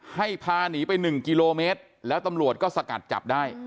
ให้พาหนีไป๑กิโลเมตรแล้วตำรวจก็สกัดจับได้